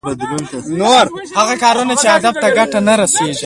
هغه کارونه چې هدف ته ګټه نه رسېږي.